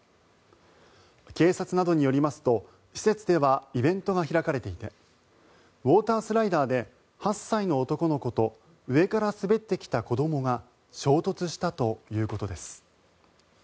警察などによりますと施設ではイベントが開かれていてウォータースライダーで８歳の男の子と上から滑ってきた子どもが衝突したということです。